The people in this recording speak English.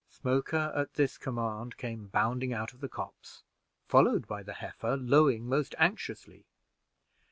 Smoker, at this command, came bounding out of the copse, followed by the heifer, lowing most anxiously.